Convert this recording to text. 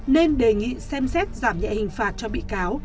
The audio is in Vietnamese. nên đề nghị xem xét giảm nhẹ hình phạt cho bị cáo